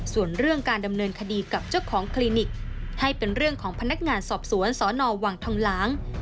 ส่วนเรื่องการดำเนินคดีกับเจ้าของคลินิกให้เป็นเรื่องของพนักงานสอบสวนสนวังทองหลาง